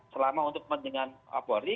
selama untuk kepentingan polri